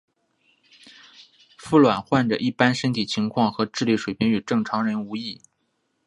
副乳患者一般身体情况和智力水平与正常人无异。